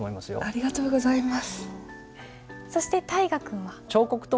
ありがとうございます。